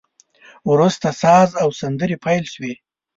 وروسته ساز او سندري پیل شوې.